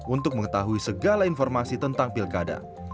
untuk mengetahui segala informasi tentang pilkada